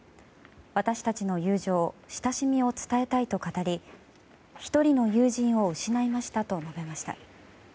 私たちの友情親しみを伝えたいと語り１人の友人を失いましたと述べました。